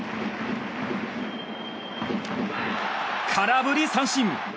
空振り三振！